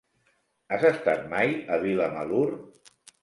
Has estat mai a Vilamalur?